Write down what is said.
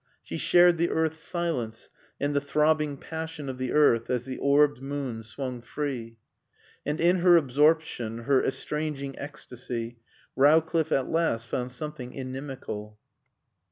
She shared the earth's silence and the throbbing passion of the earth as the orbed moon swung free. And in her absorption, her estranging ecstasy, Rowcliffe at last found something inimical.